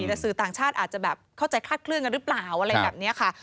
แต่สื่อต่างชาติอาจจะแบบเข้าใจคาดเคลื่อนกันหรือเปล่าอะไรแบบนี้ค่ะ